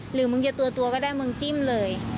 หรือมึงจะตัวก็ได้มึงจิ้มเลย